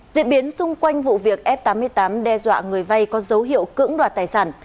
diễn biến xung quanh vụ việc f tám mươi tám đe dọa người vay có dấu hiệu cưỡng đoạt tài sản